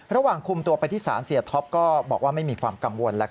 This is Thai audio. ระหว่างคุมตัวไปที่ศาลเสียท็อปก็บอกว่าไม่มีความกังวล